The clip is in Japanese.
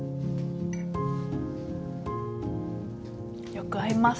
よく合います。